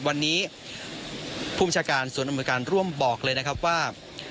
วันนี้ผู้บัญชาการศูนย์อำนวยการร่วมบอกเลยนะครับว่า